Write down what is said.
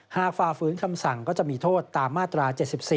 ฝ่าฝืนคำสั่งก็จะมีโทษตามมาตรา๗๔